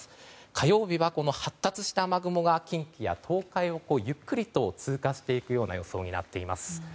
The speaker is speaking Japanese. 火曜日は発達した雨雲が近畿や東海をゆっくりと通過していく予想になっています。